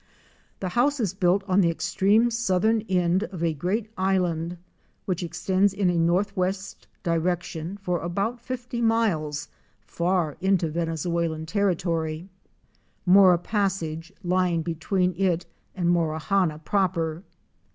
The house is built on the extreme southern end of a great island which extends in a northwest direction for about fifty miles far into Venezuela territory, Mora Passage lying between it and Morawhanna proper.